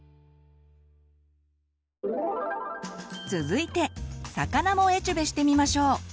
続いて魚もエチュベしてみましょう。